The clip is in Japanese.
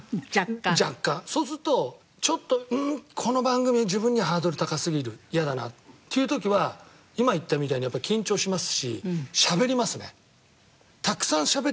そうするとちょっとんーこの番組自分にはハードル高すぎるやだなっていう時は今言ったみたいにやっぱり緊張しますし喋りますね。